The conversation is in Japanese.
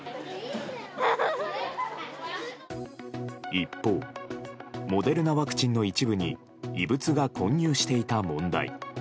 一方モデルナワクチンの一部に異物が混入していた問題。